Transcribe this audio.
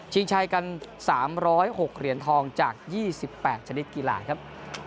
ใช้กัน๓๐๖เหรียญทองจาก๒๘ชนิดกีฬาครับ